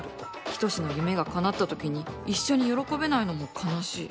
仁の夢がかなった時に一緒に喜べないのも悲しい。